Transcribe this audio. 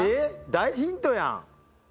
大ヒントやん。